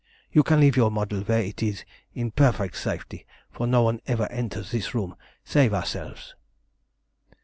You can leave your model where it is in perfect safety, for no one ever enters this room save ourselves."